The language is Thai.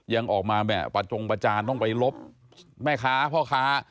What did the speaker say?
ยังออกมาประจงประจานต้องไปลบแม่ค้าพ่อค้า